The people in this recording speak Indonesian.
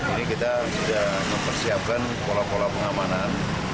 ini kita sudah mempersiapkan pola pola pengamanan